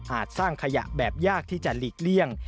สร้างขยะแบบยากที่จะหลีกเลี่ยง